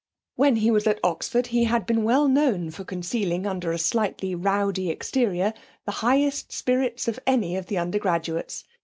When he was at Oxford he had been well known for concealing under a slightly rowdy exterior the highest spirits of any of the undergraduates.